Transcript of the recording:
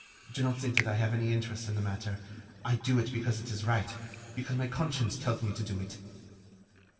Do not think that I have any interest in the matter. I do it because it is right ... because my conscience tells me to do it."